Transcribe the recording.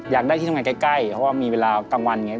อยากได้ที่ทำงานใกล้เพราะมีเวลาใกล้วันนะครับ